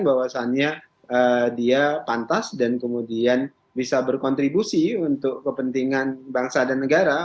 bahwasannya dia pantas dan kemudian bisa berkontribusi untuk kepentingan bangsa dan negara